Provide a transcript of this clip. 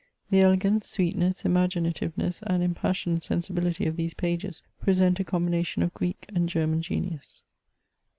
The elegance, sweetness, imaginativeness, and impassioned sensibility of these pages, present a combination of Greek and German genius.